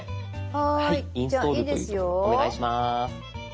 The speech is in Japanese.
お願いします。